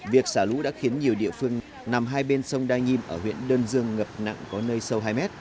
việc xả lũ đã khiến nhiều địa phương nằm hai bên sông đa nhiêm ở huyện đơn dương ngập nặng có nơi sâu hai mét